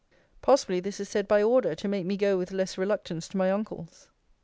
Possibly this is said by order, to make me go with less reluctance to my uncle's.